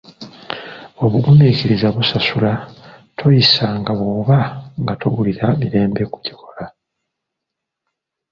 Obugumiikiriza busasula toyisanga bwoba nga towulira mirembe okukikola.